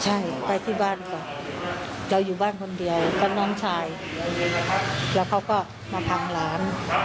ใช่ไปที่บ้านก่อนเราอยู่บ้านคนเดียวกับน้องชายแล้วเขาก็มาพังร้าน